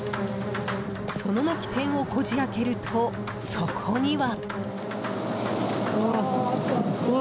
その軒天をこじ開けるとそこには。